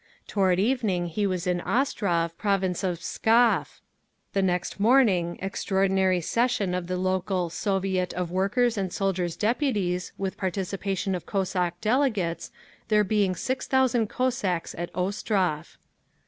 Toward evening he was in Ostrov, Province of Pskov. The next morning, extraordinary session of the local Soviet of Workers' and Soldiers' Depulies, with participation of Cossack delegates—there being 6,000 Cossacks at Ostrov.